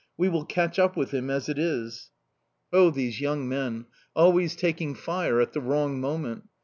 We will catch up with him as it is.' "Oh, these young men! Always taking fire at the wrong moment!